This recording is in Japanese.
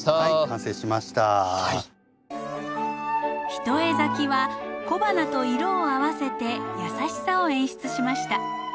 一重咲きは小花と色を合わせて優しさを演出しました。